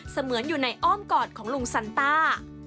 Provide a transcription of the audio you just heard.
เสมือนอยู่ในอ้อมกอดของลุงซันต้า